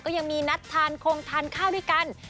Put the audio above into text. ก็ยังมีนัดทานคงทานข้าวด้วยกัน